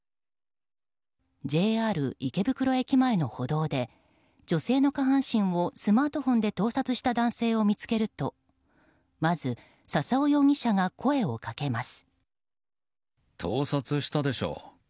ＪＲ池袋駅前の歩道で女性の下半身をスマートフォンで盗撮した男性を見つけるとまず笹尾容疑者が声をかけます。